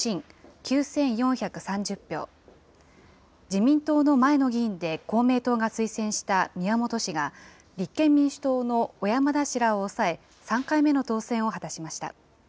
自民党の前の議員で、公明党が推薦した宮本氏が、立憲民主党の小山田氏らを抑え、３回目の当選を果たしました。